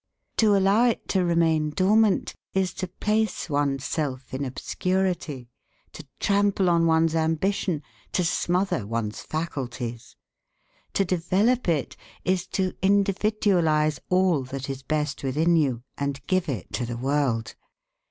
To allow it to remain dormant is to place one's self in obscurity, to trample on one's ambition, to smother one's faculties. To develop it is to individualize all that is best within you, and give it to the world.